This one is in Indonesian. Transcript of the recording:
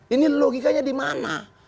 ini logikanya di mana